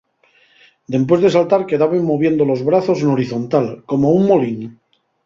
Dempués de saltar quedaben moviendo los brazos n'horizontal como un molín.